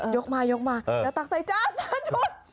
ยกมายกมายกอย่าตักใส่จ้าสะดุด